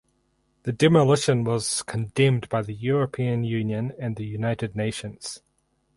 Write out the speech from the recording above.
The demolition was condemned by the European Union and the United Nations.